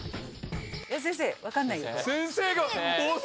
先生分かんないよこれ。